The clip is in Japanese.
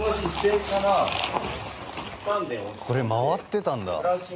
これ回ってたんだ。